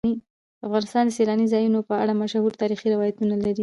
افغانستان د سیلانی ځایونه په اړه مشهور تاریخی روایتونه لري.